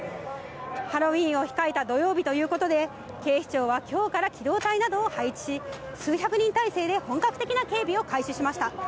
ハロウィーンを控えた土曜日ということで、警視庁はきょうから機動隊などを配置し、数百人態勢で本格的な警備を開始しました。